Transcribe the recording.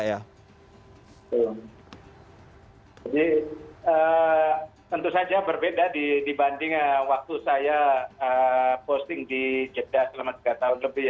tentu saja berbeda dibanding waktu saya posting di jeddah selama tiga tahun lebih